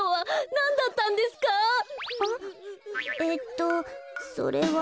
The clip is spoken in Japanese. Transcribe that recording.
えっとそれは。